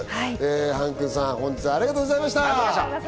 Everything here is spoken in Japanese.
ＨＡＮ−ＫＵＮさん、本日はありがとうございました。